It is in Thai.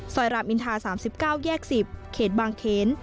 รามอินทา๓๙แยก๑๐เขตบางเขน